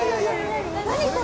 何これ！